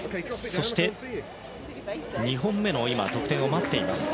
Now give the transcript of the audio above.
そして、２本目の得点を待っています。